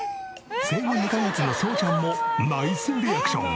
生後２カ月のそうちゃんもナイスリアクション。